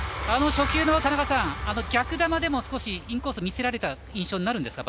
初球の逆球でも少しインコースを見せられた印象になるんですか。